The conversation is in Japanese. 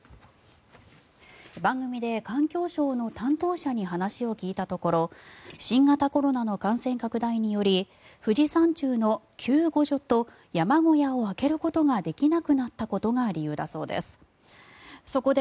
番組で環境省の担当者に話を聞いたところ新型コロナの感染拡大により富士山中の救護所と山小屋を開けることができなくなったことが理由だそうです。